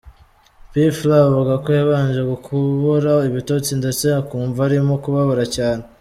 P Fla avuga ko yabanje kubura ibitotsi ndetse akumva arimo kubabara cyane.